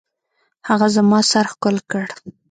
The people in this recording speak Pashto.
هغه زما سر ښكل كړ.